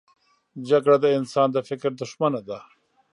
جګړه د انسان د فکر دښمنه ده